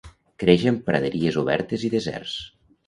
Creix en praderies obertes i deserts.